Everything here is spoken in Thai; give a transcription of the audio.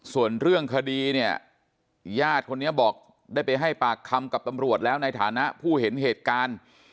ส่วนเรื่องคดีเนี่ยญาติคนนี้บอกได้ไปให้ปากคำกับตำรวจแล้วในฐานะผู้เห็นเหตุการณ์